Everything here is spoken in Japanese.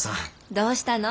どうしたの？